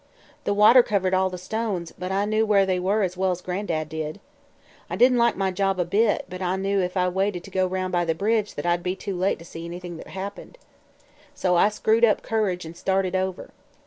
"The water covered all the stones, but I knew where they were as well as Gran'dad did. I didn't like my job a bit, but I knew if I waited to go roun' by the bridge that I'd be too late to see anything that happened. So I screwed up courage an' started over.